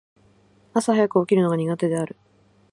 朝早く起きるのが苦手である。